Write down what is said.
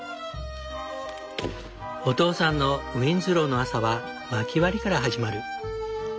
お父さんのウィンズローの朝は薪割りから始まる。